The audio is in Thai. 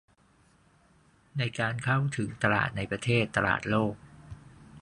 ในการเข้าถึงตลาดในประเทศ ตลาดโลก